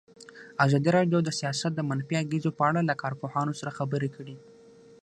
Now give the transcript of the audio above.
ازادي راډیو د سیاست د منفي اغېزو په اړه له کارپوهانو سره خبرې کړي.